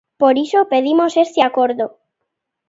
Por iso pedimos este acordo.